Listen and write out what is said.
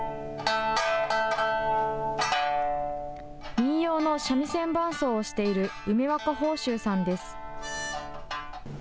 民謡の三味線伴奏をしている梅若鵬修さんです。